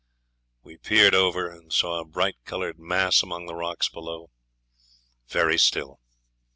We peered over, and saw a bright coloured mass among the rocks below very still.